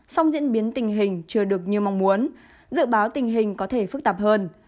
song diễn biến tình hình chưa được như mong muốn dự báo tình hình có thể phức tạp hơn